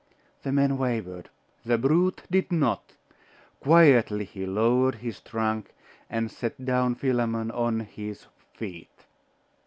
The men wavered. The brute did not. Quietly he lowered his trunk, and set down Philammon on his feet.